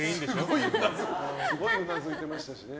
すごいうなずいてましたしね。